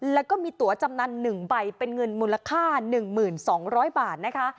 แล้วก็มีตัวจำนันหนึ่งใบเป็นเงินมูลค่าหนึ่งหมื่นสองร้อยบาทนะคะ